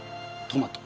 トマト。